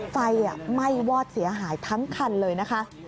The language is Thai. ไฟไหม้วอดเสียหายทั้งคันเลยนะคะ